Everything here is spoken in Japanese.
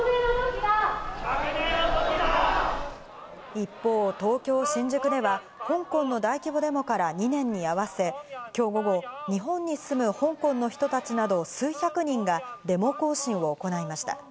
一方、東京・新宿では、香港の大規模デモから２年に合わせ、きょう午後、日本に住む香港の人たちなど数百人がデモ行進を行いました。